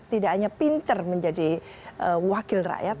tidak hanya pinter menjadi wakil rakyat